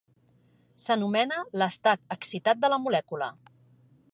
S"anomena l"estat excitat de la molècula.